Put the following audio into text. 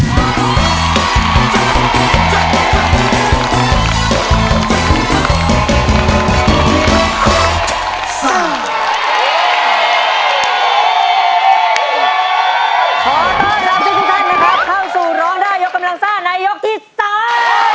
ขอต้อนรับทุกทุกท่านนะครับเข้าสู่ร้องได้ยกกำลังซ่าในยกที่สาม